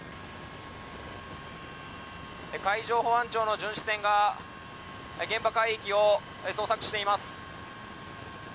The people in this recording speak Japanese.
海上保安庁の巡視船が現場海域を捜索しています。